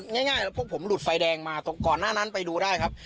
ง่ายแล้วพวกผมหลุดไฟแดงมาก่อนหน้านั้นไปดูได้ครับ